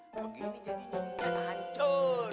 begini jadinya dicatah hancur